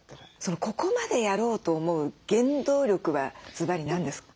ここまでやろうと思う原動力はずばり何ですか？